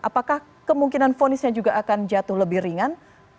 apakah kemungkinan vonisnya juga akan jatuh lebih ringan